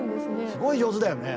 すごい上手だよね。